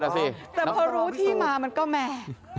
สิแต่พอรู้ที่มามันก็แม่